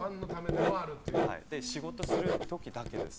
仕事する時だけです。